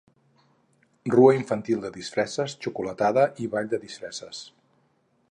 Rua infantil de disfresses, xocolatada i ball de disfresses.